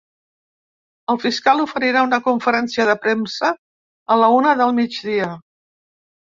El fiscal oferirà una conferència de premsa a la una del migdia.